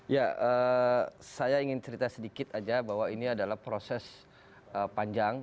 ya saya ingin cerita sedikit aja bahwa ini adalah proses panjang